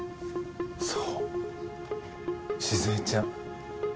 そう静江ちゃん。